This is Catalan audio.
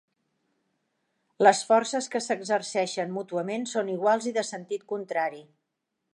Les forces que s'exerceixen mútuament són iguals i de sentit contrari.